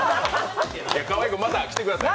川井君、また来てください。